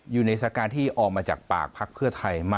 อยู่ในสถานการณ์ที่ออกมาจากปากพักเพื่อไทย